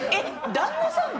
旦那さんも？